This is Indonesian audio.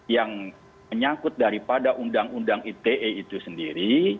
yang menyangkut daripada undang undang ite itu sendiri